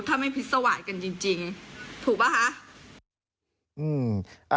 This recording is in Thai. ถ้าไม่พิษสวายกันจริงถูกป่ะคะ